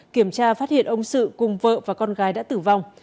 kiểm tra phát hiện ông sự cùng vợ và con gái đã tử vong